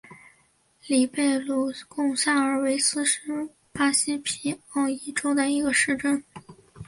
里贝鲁贡萨尔维斯是巴西皮奥伊州的一个市镇。